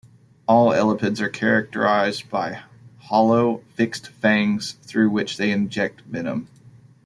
All elapids are characterized by hollow, fixed fangs through which they inject venom.